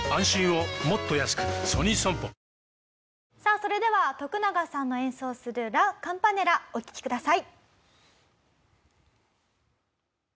それではトクナガさんが演奏する『ラ・カンパネラ』お聴きください。